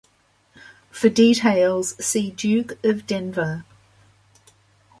For details, see Duke of Denver.